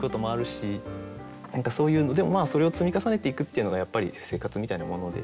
何かそういうでもそれを積み重ねていくっていうのがやっぱり生活みたいなもので。